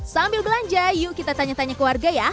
sambil belanja yuk kita tanya tanya ke warga ya